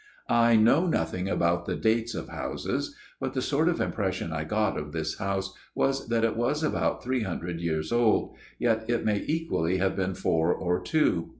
" I know nothing about the dates of houses ; but the sort of impression I got of this house was that it was about three hundred years old ; yet it may equally have been four, or two.